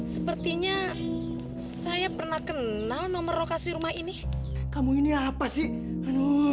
sepertinya saya pernah kenal nomor lokasi rumah ini kamu ini apa sih